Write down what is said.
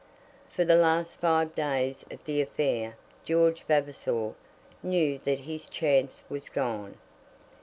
For the last five days of the affair George Vavasor knew that his chance was gone.